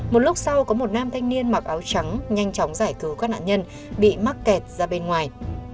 một lúc sau có một nam thanh niên mặc áo trắng nhanh chóng giải cứu các nạn nhân bị mắc kẹt ra bên ngoài